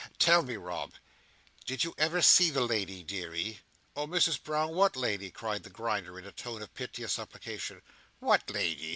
Tell me, Rob. Did you ever see the lady, deary?" "Oh, Misses Brown, what lady?" cried the Grinder in a tone of piteous supplication. "What lady?"